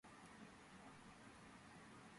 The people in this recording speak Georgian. მდებარეობს აიდაჰოს შტატში, შოშონის ოლქში.